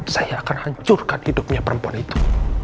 saya akan hancurkan hidupnya perempuan itu